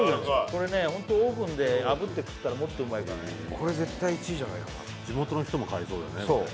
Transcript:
これねホントオーブンであぶって食ったらもっとうまいからねこれ絶対１位じゃないかなと地元の人も買いそうだね